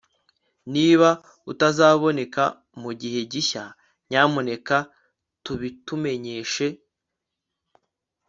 niba utazaboneka mugihe gishya, nyamuneka tubitumenyeshe